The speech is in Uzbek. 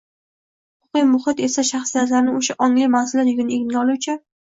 huquqiy muhit esa shaxsiyatlarni — o‘sha, ongli, mas’uliyat yukini egniga oluvchi